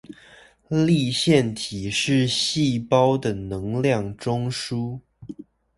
粒線體是細胞的能量中樞